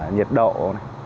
nhiệt độ này